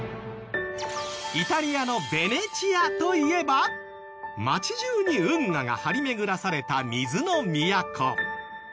イタリアのベネチアといえば街中に運河が張り巡らされた水の都。